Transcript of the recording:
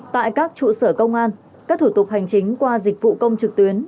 tại các trụ sở công an các thủ tục hành chính qua dịch vụ công trực tuyến